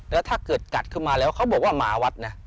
แล้วถ้าเกิดกัดขึ้นมาแล้วเขาบอกว่าหมาวัดนะ